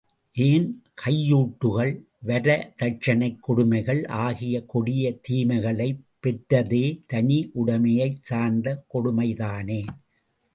ஏன் கையூட்டுகள், வரதட்சணைக் கொடுமைகள் ஆகிய கொடிய தீமைகளைப் பெற்றதே தனி உடைமையைச் சார்ந்த கொடுமைதானே!